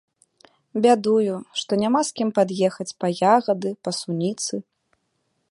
Бядую, што няма з кім пад'ехаць па ягады, па суніцы.